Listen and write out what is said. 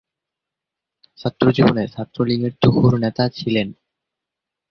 ছাত্রজীবনে ছাত্রলীগের তুখোড় নেতা ছিলেন।